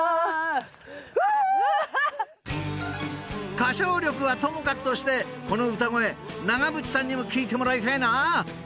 ［歌唱力はともかくとしてこの歌声長渕さんにも聴いてもらいたいな］